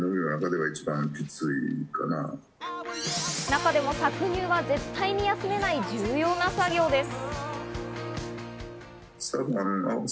中でも搾乳は絶対に休めない、重要な作業です。